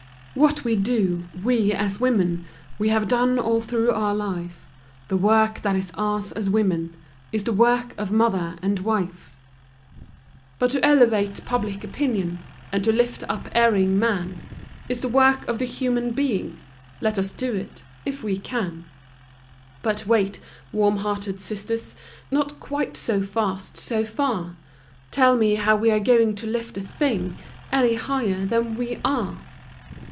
What we do, "We, as women," We have done all through our life; The work that is ours as women Is the work of mother and wife. But to elevate public opinion, And to lift up erring man, Is the work of the Human Being; Let us do it if we can. But wait, warm hearted sisters Not quite so fast, so far. Tell me how we are going to lift a thing Any higher than we are!